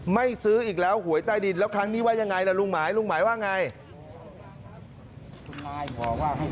ไม่ซื้ออีกแล้วหวยใต้ดินครั้งนี้ลุงหมายว่าอย่างไร